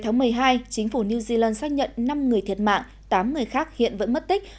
ngày một mươi hai chính phủ new zealand xác nhận năm người thiệt mạng tám người khác hiện vẫn mất tích